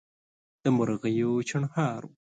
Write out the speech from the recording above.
د مرغیو چڼهار وو